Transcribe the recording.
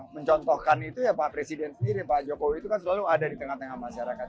mencontohkan itu ya pak presiden sendiri pak jokowi itu kan selalu ada di tengah tengah masyarakat